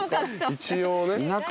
一応ね。